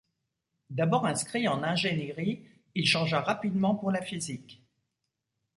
D'abord inscrit en ingénierie, il changea rapidement pour la physique.